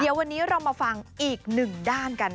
เดี๋ยววันนี้เรามาฟังอีกหนึ่งด้านกัน